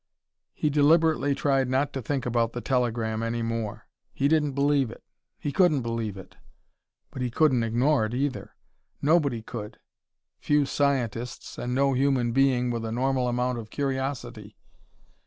He deliberately tried not to think about the telegram any more. He didn't believe it. He couldn't believe it. But he couldn't ignore it, either. Nobody could: few scientists, and no human being with a normal amount of curiosity.